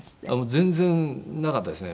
全然なかったですね。